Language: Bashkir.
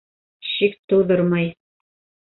... шик тыуҙырмай